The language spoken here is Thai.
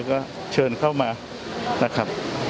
ก็เชิญเข้ามา